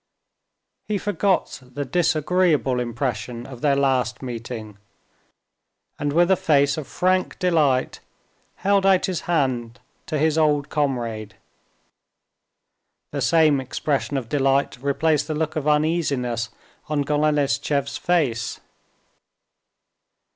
He forgot the disagreeable impression of their last meeting, and with a face of frank delight held out his hand to his old comrade. The same expression of delight replaced the look of uneasiness on Golenishtchev's face.